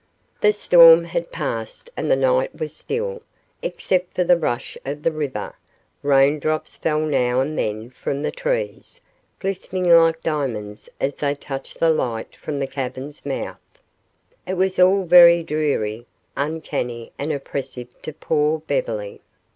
The storm had passed and the night was still, except for the rush of the river; raindrops fell now and then from the trees, glistening like diamonds as they touched the light from the cavern's mouth. It was all very dreary, uncanny and oppressive to poor Beverly.